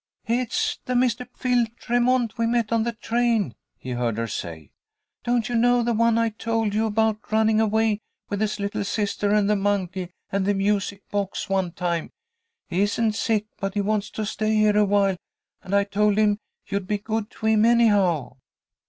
"It's the Mr. Phil Tremont we met on the train," he heard her say. "Don't you know, the one I told you about running away with his little sister and the monkey and the music box one time. He isn't sick, but he wants to stay here awhile, and I told him you'd be good to him, anyhow."